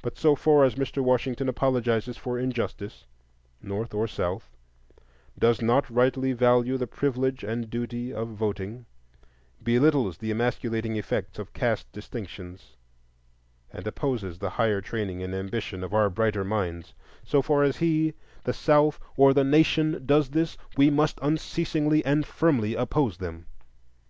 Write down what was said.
But so far as Mr. Washington apologizes for injustice, North or South, does not rightly value the privilege and duty of voting, belittles the emasculating effects of caste distinctions, and opposes the higher training and ambition of our brighter minds,—so far as he, the South, or the Nation, does this,—we must unceasingly and firmly oppose them.